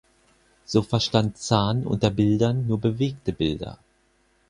So verstand Zahn unter Bildern nur bewegte Bilder.